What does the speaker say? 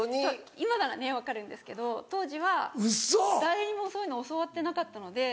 今なら分かるんですけど当時は誰にもそういうの教わってなかったので。